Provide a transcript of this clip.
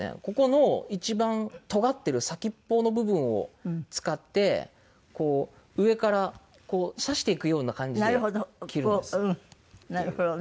ここの一番尖ってる先っぽの部分を使って上からこう刺していくような感じで切るんです。